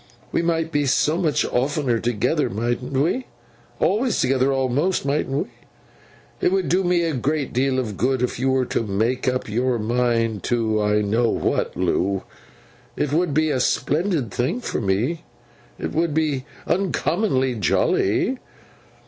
We might be so much oftener together—mightn't we? Always together, almost—mightn't we? It would do me a great deal of good if you were to make up your mind to I know what, Loo. It would be a splendid thing for me. It would be uncommonly jolly!